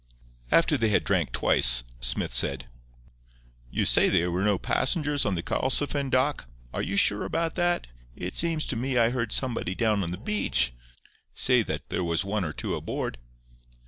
After they had drank twice Smith said: "You say there were no passengers on the Karlsefin, Doc? Are you sure about that? It seems to me I heard somebody down on the beach say that there was one or two aboard."